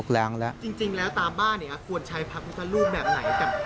จริงแล้วตามบ้านควรใช้พระพุทธรูปแบบไหน